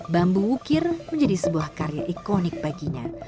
bambu wukir menjadi sebuah karya ikonik baginya